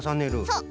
そう。